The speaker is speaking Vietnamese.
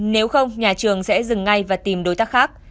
nếu không nhà trường sẽ dừng ngay và tìm đối tác khác